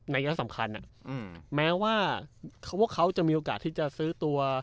ในอย่างสำคัญอ่ะแม้ว่าเค้าจะมีโอกาสที่จะซื้อตัว